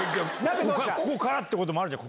ここからってこともあるじゃん